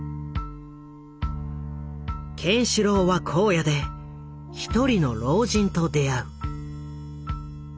ケンシロウは荒野で一人の老人と出会う。